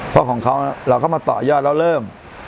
เพราะของเขาเราก็มาต่อยอดแล้วเริ่ม